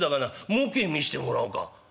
もうけ見してもらおうか」。